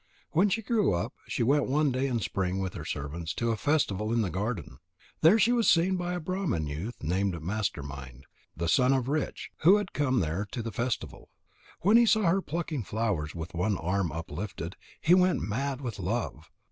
When she grew up, she went one day in spring with her servants to a festival in the garden. There she was seen by a Brahman youth named Master mind, the son of Rich, who had come there to the festival. When he saw her plucking flowers with one arm uplifted, he went mad with love.